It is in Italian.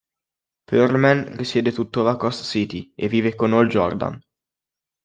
Pearlman risiede tuttora a Coast City, e vive con Hal Jordan.